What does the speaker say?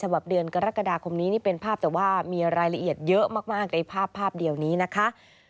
เดือนกรกฎาคมนี้นี่เป็นภาพแต่ว่ามีรายละเอียดเยอะมากในภาพภาพเดียวนี้นะคะ